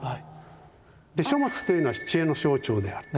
書物というのは知恵の象徴である。